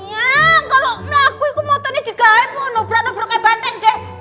ya kalau aku ikut motor ini tiga hari mau nyebrang nyebrang kayak banteng deh